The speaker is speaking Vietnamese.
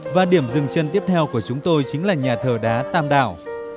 và điểm dừng chân tiếp theo của chúng tôi chính là nhà thờ đá tam đảo